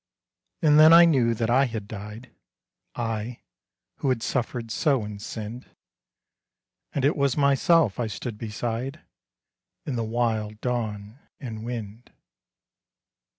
And then I knew that I had died, I, who had suffered so and sinned And 't was myself I stood beside In the wild dawn and wind.